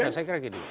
ya saya kira gitu